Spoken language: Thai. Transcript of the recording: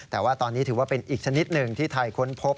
แต่ว่าตอนนี้ถือว่าเป็นอีกชนิดหนึ่งที่ไทยค้นพบ